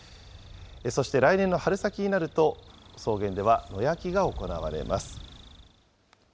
そして、来年の春先になると、草原では野焼きが行われます。